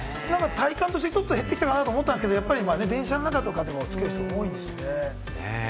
体感として減ってきたかなと思ったんですけれども、電車の中とかでは付ける人、多いんですね。